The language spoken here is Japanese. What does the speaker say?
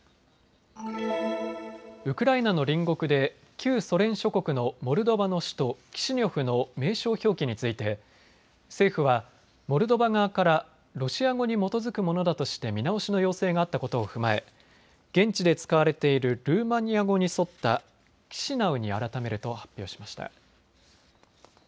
ウクライナの隣国で旧ソ連諸国のモルドバの首都キシニョフの名称表記について政府はモルドバ側からロシア語に基づくものだとして見直しの要請があったことを踏まえ現地で使われているルーマニア語に沿ったキシナウに改めると発表しました。